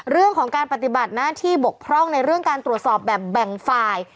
เรื่องของการปฏิบัติหน้าที่บกพร่องในเรื่องการตรวจสอบแบบแบ่งฝ่าย